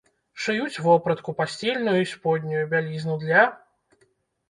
Шыюць вопратку, пасцельную і споднюю бялізну для.